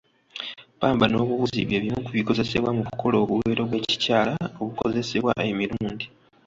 Pamba n'obuwuzi by'ebimu ku bikozesebwa mu kukola obuwero bw'ekikyala obukozesebwa emirundi.